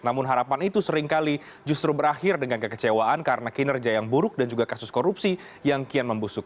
namun harapan itu seringkali justru berakhir dengan kekecewaan karena kinerja yang buruk dan juga kasus korupsi yang kian membusuk